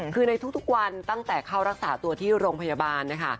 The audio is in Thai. คือในทุกวันตั้งแต่เข้ารักษาตัวที่โรงพยาบาลนะคะ